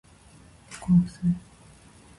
猫を吸う